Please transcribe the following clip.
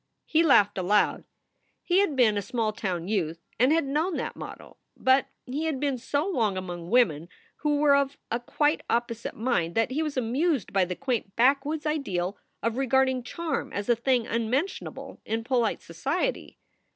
He laughed aloud. He had been a small town youth and had known that motto, but he had been so long among women who were of a quite opposite mind that he was amused by the quaint backwoods ideal of regarding charm as a thing unmentionable in polite society.